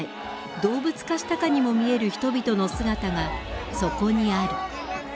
「動物化」したかにも見える人々の姿がそこにある。